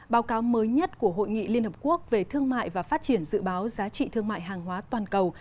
báo cáo mới nhất của hội nghị liên hợp quốc về thương mại và phát triển dự báo giá trị thương mại hàng hóa toàn cầu